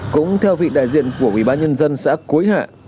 cũng theo vị đại diện của ubnd xã cuối hạ